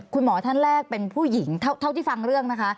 คุณหมอท่านแรกเป็นผู้หญิงเท่าที่ฟังเรื่องนะคะ